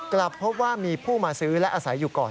กลับพบว่ามีผู้มาซื้อและอาศัยอยู่ก่อน